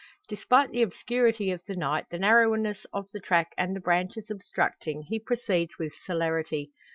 Despite the obscurity of the night, the narrowness of the track, and the branches obstructing, he proceeds with celerity.